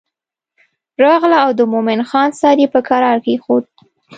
راغله او د مومن خان سر یې په کرار کېښود.